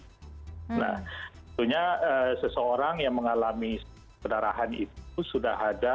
sebenarnya seseorang yang mengalami pendarahan itu sudah ada